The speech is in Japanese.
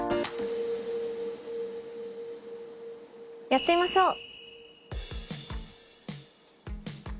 やってみましょう。